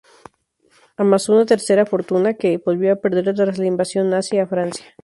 Amasó una tercera fortuna, que volvió a perder tras la invasión nazi a Francia.